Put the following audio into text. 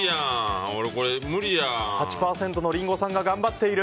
８％のリンゴさんが頑張っている。